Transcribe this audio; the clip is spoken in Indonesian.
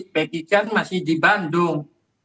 pegi kan masih di bandung